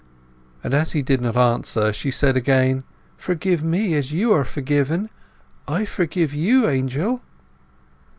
And, as he did not answer, she said again— "Forgive me as you are forgiven! I forgive you, Angel."